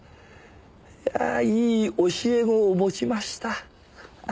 いやいい教え子を持ちました。